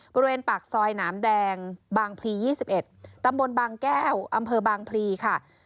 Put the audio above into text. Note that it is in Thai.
บริเวณปากซอยหนามแดงบางพลี๒๑ตำบลบางแก้วอำเภอบางพลีค่ะ